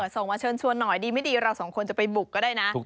ส่งมาเชิญชวนหน่อยดีไม่ดีเราสองคนจะไปบุกก็ได้นะ